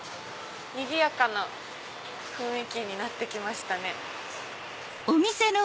にぎやかな雰囲気になって来ましたね。